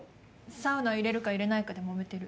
サウナ入れるか入れないかでモメてる。